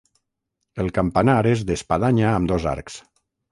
El campanar és d'espadanya amb dos arcs.